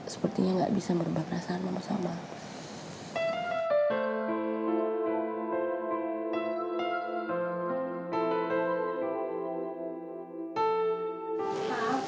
sepertinya gak bisa berubah perasaan mama sama abah